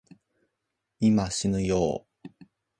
今、しぬよぉ